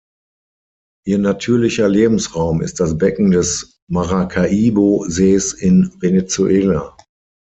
Ihr natürlicher Lebensraum ist das Becken des Maracaibo-Sees in Venezuela.